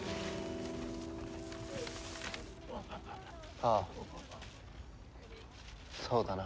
ああそうだな。